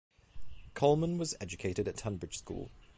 Coleman was educated at Tonbridge School.